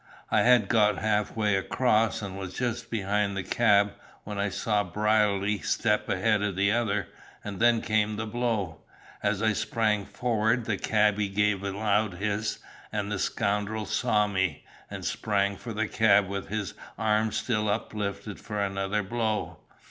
I had got half way across, and was just behind the cab, when I saw Brierly step ahead of the other, and then came the blow. As I sprang forward the cabby gave a loud hiss and the scoundrel saw me, and sprang for the cab with his arm still uplifted for another blow.